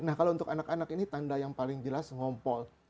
nah kalau untuk anak anak ini tanda yang paling jelas ngompol